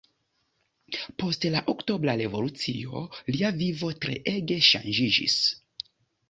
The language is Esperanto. Post la Oktobra Revolucio, lia vivo treege ŝanĝiĝis.